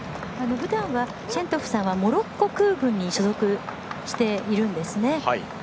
ふだんはシェントゥフさんはモロッコ空軍に所属しているんですね。